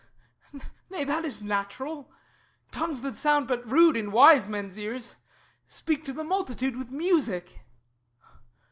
Nay that is natural; tongues that sound but rude In wise men's ears, speak to the multitude With music.